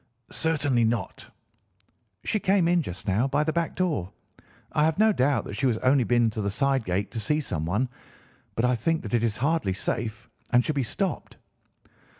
"'Certainly not.' "'She came in just now by the back door. I have no doubt that she has only been to the side gate to see someone, but I think that it is hardly safe and should be stopped.